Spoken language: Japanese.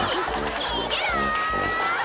逃げろ！